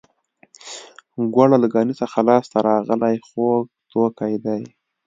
ګوړه له ګني څخه لاسته راغلی خوږ توکی دی